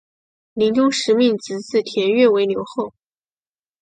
临终时命侄子田悦为留后。